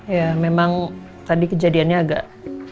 ya memang tadi kejadiannya agak